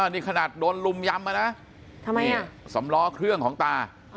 นี่ขนาดโดนลุมยำมานะทำไมอ่ะสำล้อเครื่องของตา